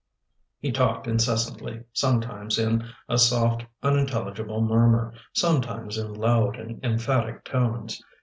He talked incessantly, sometimes in a soft, unintelligible murmur, sometimes in loud and emphatic tones.